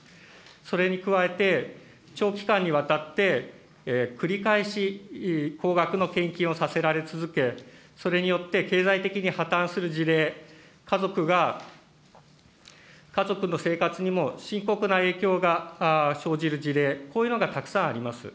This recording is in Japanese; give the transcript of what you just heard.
それに加えて、長期間にわたって繰り返し高額の献金をさせられ続け、それによって経済的に破綻する事例、家族が、家族の生活にも深刻な影響が生じる事例、こういうのがたくさんあります。